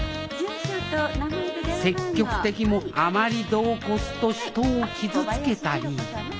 積極的もあまり度を越すと人を傷つけたり。